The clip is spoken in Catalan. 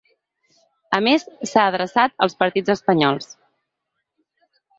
A més, s’ha adreçat als partits espanyols.